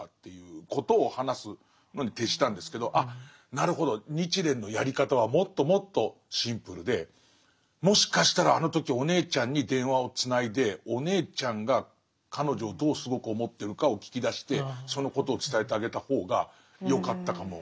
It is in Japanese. なるほど日蓮のやり方はもっともっとシンプルでもしかしたらあの時お姉ちゃんに電話をつないでお姉ちゃんが彼女をどうすごく思ってるかを聞き出してそのことを伝えてあげた方がよかったかもしれない。